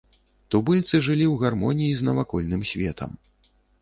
Тубыльцы жылі ў гармоніі з навакольным светам.